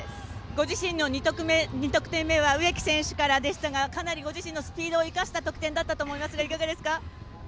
ご自身の２得点目は植木選手からでしたがかなりご自身のスピードを生かした得点だったと思いますがいかがですか。